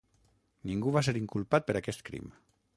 Ningú va ser inculpat per aquest crim.